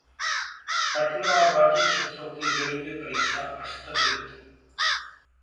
पटना और रांची क्षेत्रों की रेलवे परीक्षा स्थगित